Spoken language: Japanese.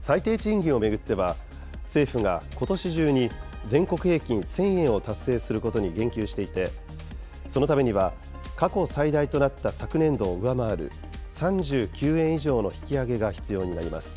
最低賃金を巡っては、政府がことし中に全国平均１０００円を達成することに言及していて、そのためには過去最大となった昨年度を上回る３９円以上の引き上げが必要になります。